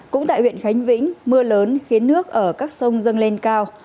cũng tại huyện khánh vĩnh mưa lớn khiến nước ở các sông dâng lên cao